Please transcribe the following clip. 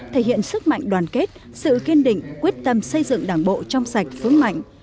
thể hiện sức mạnh đoàn kết sự kiên định quyết tâm xây dựng đảng bộ trong sạch vững mạnh